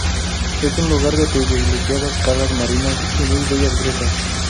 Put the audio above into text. Es un lugar de privilegiadas calas marinas y muy bellas grutas.